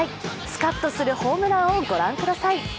スカッとするホームランを御覧ください。